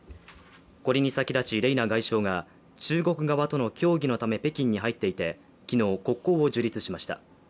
これに先立ちレイナ外相が中国側との協議のため北京に入っていて昨日、国交を樹立しました。